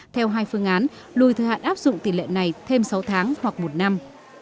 theo hai phương án lùi thời hạn áp dụng tỷ lệ này thêm sáu tháng hoặc một năm